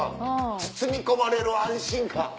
包み込まれる安心感」